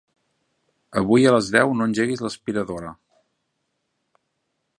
Avui a les deu no engeguis l'aspiradora.